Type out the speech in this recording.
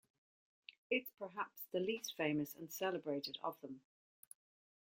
It is perhaps the least famous and celebrated of them.